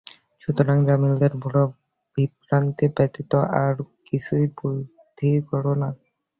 সুতরাং জালিমদের বিভ্রান্তি ব্যতীত আর কিছুই বৃদ্ধি করো না।